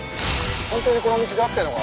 「本当にこの道で合ってるのか？」